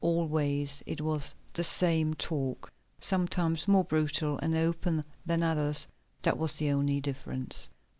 Always it was the same talk; sometimes more brutal and open than others—that was the only difference.